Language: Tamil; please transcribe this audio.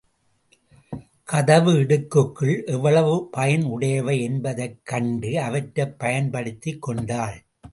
கதவு இடுக்குகள் எவ்வளவு பயன் உடையவை என்பதைக் கண்டு அவற்றைப் பயன் படுத்திக் கொண்டாள்.